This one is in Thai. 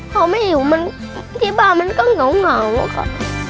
เขาไม่อยู่ที่บ้านมันก็เหงาค่ะ